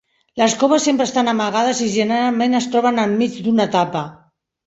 Les coves sempre estan amagades i generalment es troben enmig d'una etapa.